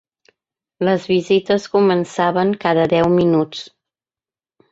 Les visites començaven cada deu minuts.